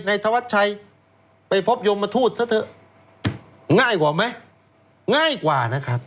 ธวัชชัยไปพบยมทูตซะเถอะง่ายกว่าไหมง่ายกว่านะครับ